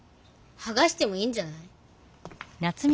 はがしてもいいんじゃない？